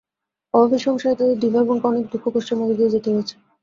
অভাবের সংসারে তাদের দুই ভাইবোনকে অনেক দুঃখ-কষ্টের মধ্য দিয়ে যেতে হয়েছে।